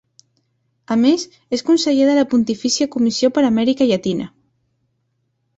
A més, és Conseller de la Pontifícia Comissió per Amèrica Llatina.